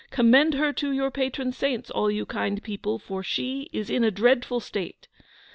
Commend her to your patron saints, all you kind people, for she is in a dreadful state!